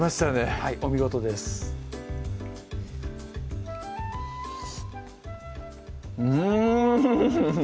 はいお見事ですうん！